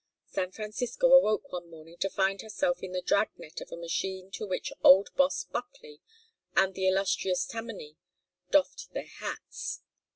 San Francisco awoke one morning to find herself in the drag net of a machine to which old Boss Buckley and the illustrious Tammany doffed their hats.